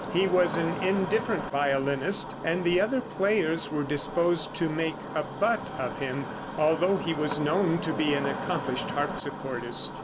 He was an indifferent violinist, and the other players were disposed to make a butt of him, although he was known to be an accomplished harpsichordist.